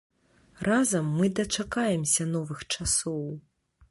Разам мы дачакаемся новых часоў!